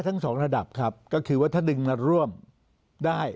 ทั้งสองระดับครับก็คือว่าถ้าดึงมาร่วมได้